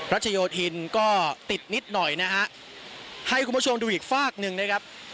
รัชโยธินก็ติดนิดหน่อยนะฮะให้คุณผู้ชมดูอีกฝากหนึ่งนะครับ